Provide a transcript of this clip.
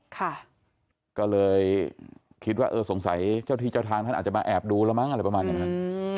ก็เลยคิดว่าเออสงสัยเจ้าที่เจ้าทางท่านอาจจะมาแอบดูแล้วมั้งอะไรประมาณอย่างนั้น